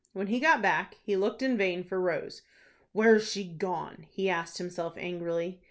When he got back, he looked in vain for Rose. "Where's she gone?" he asked himself, angrily.